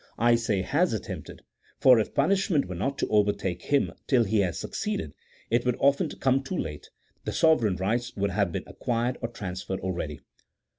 I say, has attempted, for if punishment were not to overtake him till he had succeeded, it would often come too late, the sovereign rights would have been ac quired or transferred already.